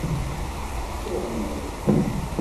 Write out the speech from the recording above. Suɣen akk.